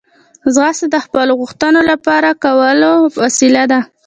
ځغاسته د خپلو غوښتنو پوره کولو وسیله ده